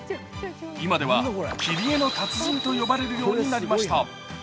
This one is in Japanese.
今では切り絵の達人と呼ばれるようになりました。